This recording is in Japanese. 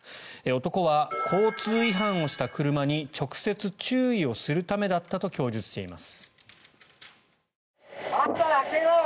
男は、交通違反をした車に直接注意をするためだったと供述しています。